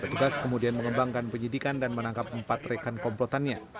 petugas kemudian mengembangkan penyidikan dan menangkap empat rekan komplotannya